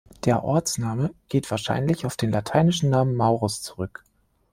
Der Ortsname geht wahrscheinlich auf den lateinischen Namen "Maurus" zurück.